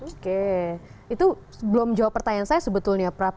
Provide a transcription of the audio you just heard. oke itu belum jawab pertanyaan saya sebetulnya prab